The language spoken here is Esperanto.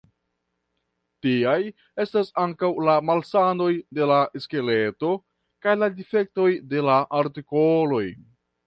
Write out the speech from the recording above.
Tiaj estas ankaŭ la malsanoj de la skeleto, kaj la difektoj de la artikoloj.